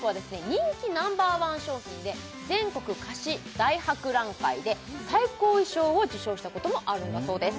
人気Ｎｏ．１商品で全国菓子大博覧会で最高位賞を受賞したこともあるんだそうです